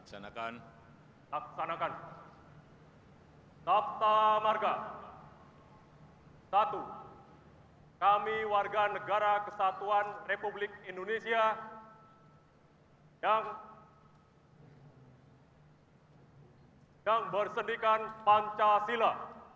saya satu kami warga negara kesatuan republik indonesia yang bersedikan pancasila